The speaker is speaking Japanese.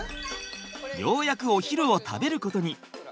ようやくお昼を食べることに。